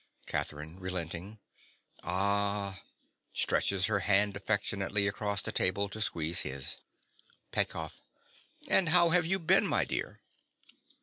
CATHERINE. (relenting). Ah! (Stretches her hand affectionately across the table to squeeze his.) PETKOFF. And how have you been, my dear?